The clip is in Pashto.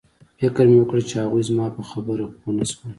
فکر مې وکړ چې هغوی زما په خبره پوه نشول